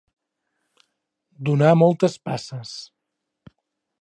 Donar moltes passes.